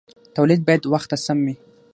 تولید باید وخت ته سم وي.